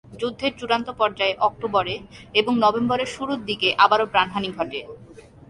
যুদ্ধের চূড়ান্ত পর্যায়ে অক্টোবরে এবং নভেম্বরের শুরুর দিকে আবারো প্রাণহানি ঘটে।